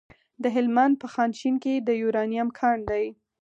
د هلمند په خانشین کې د یورانیم کان دی.